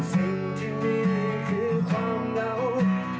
สิ่งที่นี่คือความเหงา